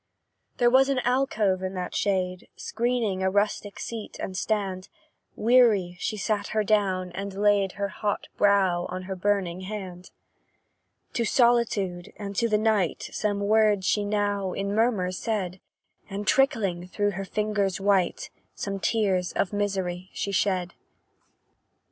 There was an alcove in that shade, Screening a rustic seat and stand; Weary she sat her down, and laid Her hot brow on her burning hand. To solitude and to the night, Some words she now, in murmurs, said; And trickling through her fingers white, Some tears of misery she shed.